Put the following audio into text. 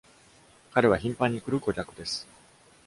彼は、頻繁に来る顧客です。